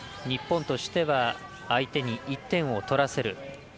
日本としては相手に１点を取らせる。